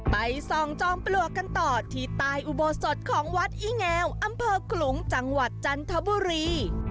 ไปส่องจอมปลวกกันต่อที่ใต้อุโบสถของวัดอีแงวอำเภอขลุงจังหวัดจันทบุรี